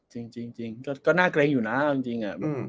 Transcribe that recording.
จริงก็น่าเกรงอยู่นะเอาจริง